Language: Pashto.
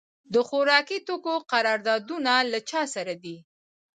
د خوراکي توکو قراردادونه له چا سره دي؟